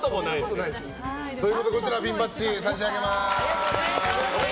ということでピンバッジ、差し上げます！